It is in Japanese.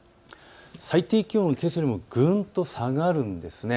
最低気温はけさよりぐんと下がるんです。